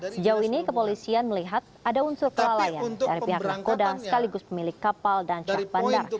sejauh ini kepolisian melihat ada unsur kelalaian dari pihak nakoda sekaligus pemilik kapal dan syah bandar